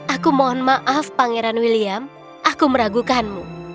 aku mohon maaf pangeran william aku meragukanmu